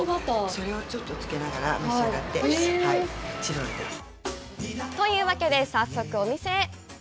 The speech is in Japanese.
それをつけながら、召し上がって。というわけで、早速お店へ。